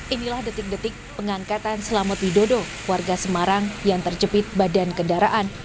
inilah detik detik pengangkatan selamat widodo warga semarang yang terjepit badan kendaraan